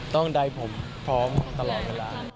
ต้องใดผมพร้อมตลอดเวลา